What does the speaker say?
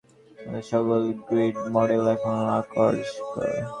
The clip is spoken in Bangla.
আমাদের সকল গ্রিড মডেল এখন অকার্যকর।